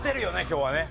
今日はね。